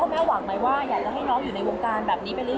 แม่หวังไหมว่าอยากจะให้น้องอยู่ในวงการแบบนี้ไปเรื่อ